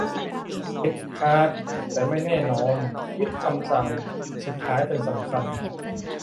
"เด็ดขาด แต่ไม่แน่นอน ยึดคำสั่งสุดท้ายเป็นสำคัญ"